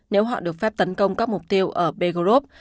nếu họ được phép tấn công các mục tiêu ở pegroup